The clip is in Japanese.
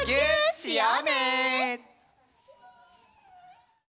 しようね！